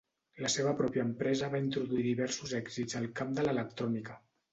La seva pròpia empresa va introduir diversos èxits al camp de l"electrònica.